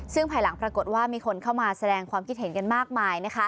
ซึ่งภายหลังปรากฏว่ามีคนเข้ามาแสดงความคิดเห็นกันมากมาย